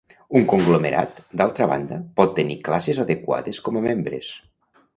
Un conglomerat, d'altra banda, pot tenir classes adequades com a membres.